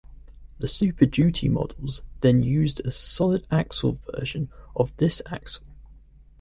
The Super Duty models then used a solid axle version of this axle.